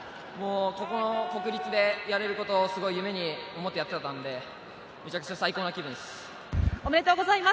この国立でやれること夢に思っていたので、めちゃくちゃ最高な気分です。